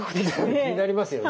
気になりますよね。